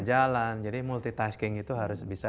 jalan jadi multitasking itu harus bisa